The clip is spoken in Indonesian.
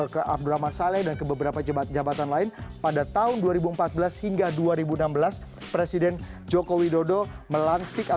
ke abdurrahman saleh dan ke beberapa jabatan lain pada tahun dua ribu empat belas hingga dua ribu enam belas presiden joko widodo melantik